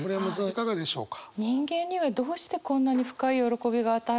いかがでしょうか？